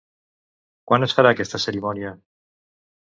Quan es farà aquesta cerimònia?